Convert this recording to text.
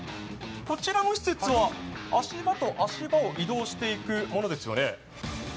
こちらの施設は、足場と足場を移動していくものですよね？